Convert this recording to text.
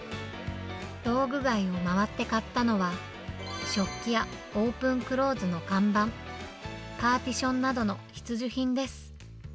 道具街を回って買ったのは、食器やオープンクローズの看板、パーティションなどの必需品です。